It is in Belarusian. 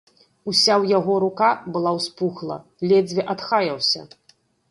Уся ў яго рука была ўспухла, ледзьве адхаяўся.